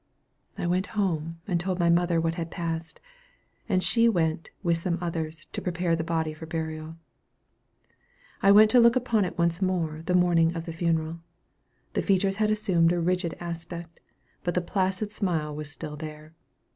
I went home, and told my mother what had passed; and she went, with some others, to prepare the body for burial. I went to look upon it once more, the morning of the funeral. The features had assumed a rigid aspect, but the placid smile was still there.